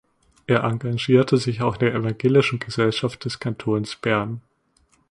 Er engagierte sich auch in der Evangelischen Gesellschaft des Kantons Bern.